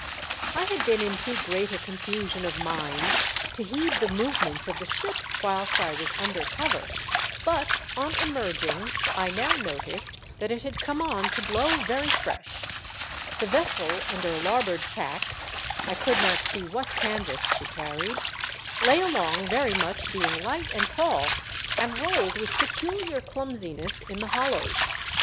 I HAD been in too great a confusion of mind to heed the movements of the ship whilst I was under cover, but on emerging I now noticed that it had come on to blow very fresh. The vessel under larboard tacks — I could not see what canvas she carried — lay along very much, being light and tall, and rolled with peculiar clumsiness in the hollows.